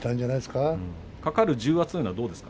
かかる重圧はどうですか？